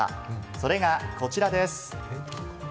それがこちらです。